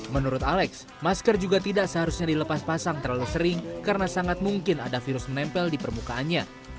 menurut alex masker juga tidak seharusnya dilepas pasang terlalu sering karena sangat mungkin ada virus menempel di permukaannya